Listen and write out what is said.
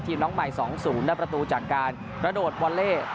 ทีมน้องใหม่๒๐แล้วประตูจัดการระโดดวอลเล่